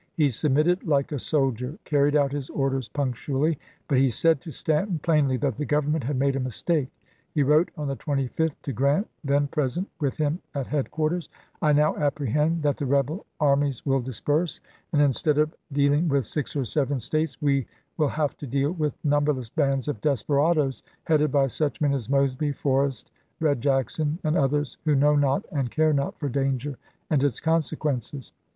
He submitted like a soldier, carried out his orders punctually ; but he said to Stanton plainly that the Government had made a mis "Memoirs'' take. He wrote on the 25th to Grant, then present p. 362." with him at headquarters, " I now apprehend that the rebel armies will disperse ; and instead of deal Apriuses. ing with six or seven States, we will have to deal with numberless bands of desperados, headed by such men as Mosby, Forrest, Red Jackson, and others, who know not, and care not for danger and its consequences."